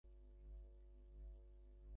আমি কেন বিহারীকে ভালোবাসিলাম।